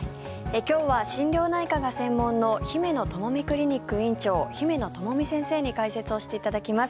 今日は心療内科が専門のひめのともみクリニック院長姫野友美先生に解説をしていただきます。